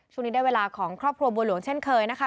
ช่วงนี้ได้เวลาของครอบครัวบัวหลวงเช่นเคยนะคะ